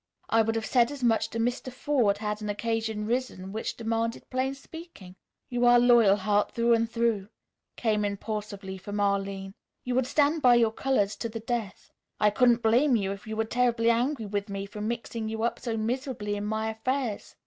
I would have said as much to Mr. Forde had an occasion risen which demanded plain speaking." "You are Loyalheart, through and through," came impulsively from Arline. "You would stand by your colors to the death. I couldn't blame you if you were terribly angry with me for mixing you up so miserably in my affairs.